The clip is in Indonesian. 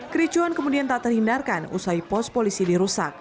kericuan kemudian tak terhindarkan usai pos polisi dirusak